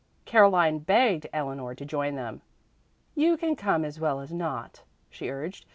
Caroline begged Eleanor to join them. "You can come as well as not," she urged.